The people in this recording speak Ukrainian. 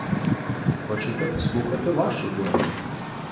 Хочеться послухати вашу думку.